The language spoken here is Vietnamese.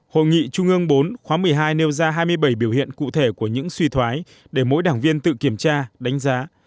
hội nghị trung ương bốn khóa một mươi hai nêu ra hai mươi bảy biểu hiện cụ thể của những suy thoái để mỗi đảng viên tự kiểm tra đánh giá